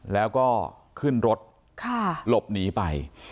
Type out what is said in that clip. แล้วก็ขึ้นรถหลบหนีไป